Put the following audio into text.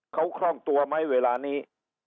เขาคล่องตัวไหมเวลานี้